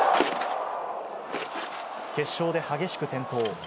決勝で激しく転倒。